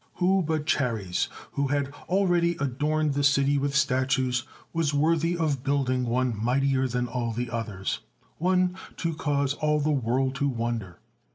Who but Chares, who had already adorned the city with statues, was worthy of building one mightier than all the others, one to cause all the world to wonder?